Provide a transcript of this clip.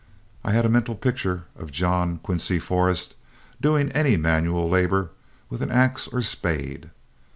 I had a mental picture of John Quincy Forrest doing any manual labor with an axe or spade.